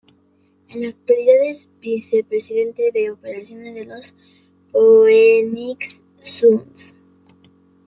En la actualidad es vicepresidente de Operaciones de los Phoenix Suns.